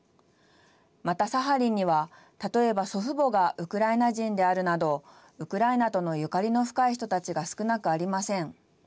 またサハリンには例えば、祖父母がウクライナ人であるなどウクライナとのゆかりの深い人たちが少なくありません。